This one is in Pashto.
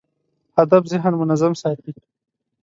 هدف ذهن منظم ساتي.